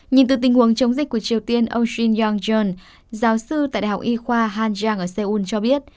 nhìn từ tình huống chống dịch của triều tiên ông shin yong jeon giáo sư tại đại học y khoa hàn giang ở seoul cho biết